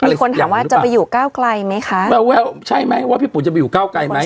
มีคนถามว่าจะไปอยู่ก้าวไกลไหมคะแววใช่ไหมว่าพี่ปุ่นจะไปอยู่ก้าวไกลไหม